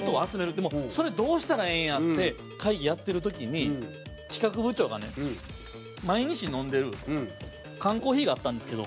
でもそれ、どうしたらええんやって会議やってる時に、企画部長がね毎日飲んでる缶コーヒーがあったんですけど。